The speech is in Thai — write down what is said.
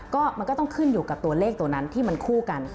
ก็มันก็ต้องขึ้นอยู่กับตัวเลขตัวนั้นที่มันคู่กัน